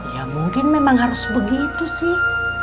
ya mungkin memang harus begitu sih